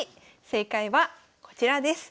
正解はこちらです。